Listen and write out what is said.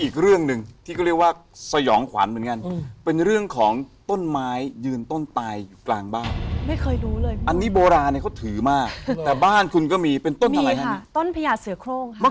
เคยรู้เลยอันนี้โบราณเขาถือมากมาแต่บ้านคุ้มันก็มีเป็นต้นมีฮะต้นพยาศศือโครงฮะมา